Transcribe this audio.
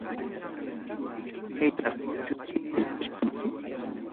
Pitaq maytaq chutarillasunki.